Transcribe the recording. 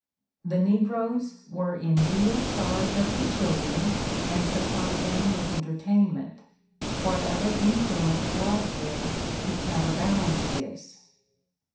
The negroes were "in real charge of the children and supplied them with entertain ment." What other influence was there to counter balance this?